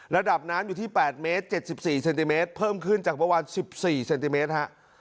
ระดับน้ำอยู่ที่แปดเมตรเจ็ดสิบสี่เซนติเมตรเพิ่มขึ้นจากประวัติสิบสี่เซนติเมตรฮะ